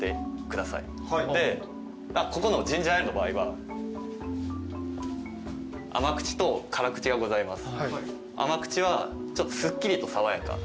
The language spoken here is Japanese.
ここのジンジャーエールの場合は甘口と辛口がございます。